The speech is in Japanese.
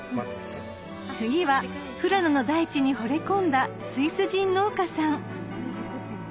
次は富良野の大地にほれ込んだスイス人農家さん